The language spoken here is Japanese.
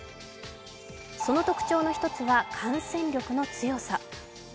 その特徴の一つは感染力の強さ。